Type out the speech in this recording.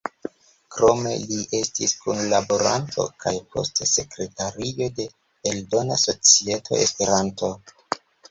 Krome li estis kunlaboranto kaj poste sekretario de Eldona Societo Esperanto.